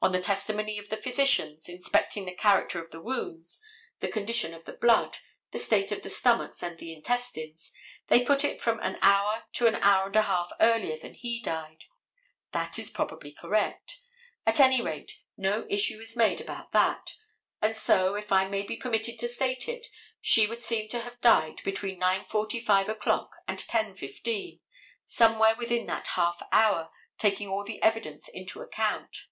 On the testimony of the physicians, inspecting the character of the wounds, the condition of the blood, the state of the stomachs and the intestines, they put it from an hour to an hour and a half earlier than he died. That is probably correct. At any rate, no issue is made about it; and so, if I may be permitted to state it, she would seem to have died between 9:45 o'clock and 10:15, somewhere within that half hour, taking all the evidence into account.